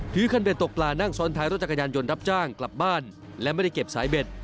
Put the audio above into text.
คันเด็ดตกปลานั่งซ้อนท้ายรถจักรยานยนต์รับจ้างกลับบ้านและไม่ได้เก็บสายเบ็ด